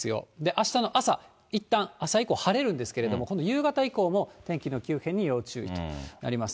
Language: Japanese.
あしたの朝、いったん朝以降、晴れるんですけれども、今度夕方以降も、天気の急変に要注意となります。